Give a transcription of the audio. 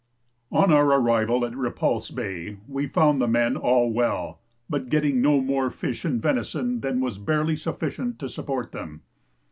On our arrival at Repulse Bay we found the men all well, but getting no more fish and venison than was barely sufficient to support them.